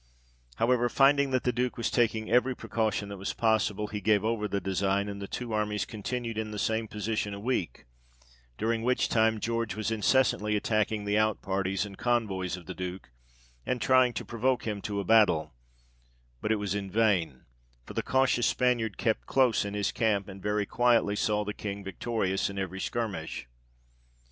However, finding that the Duke was taking every precaution that was possible, he gave over the design, and the two armies continued in the same position a week, during which time George was incessantly attacking the out parties and convoys of the Duke, and trying to provoke him to a battle ; but it was in vain, for the cautious Spaniard kept close in his camp, and very quietly saw the King victorious in every skirmish.